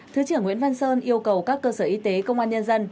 thứ trưởng nguyễn văn sơn yêu cầu các cơ sở y tế công an nhân dân